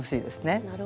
なるほど。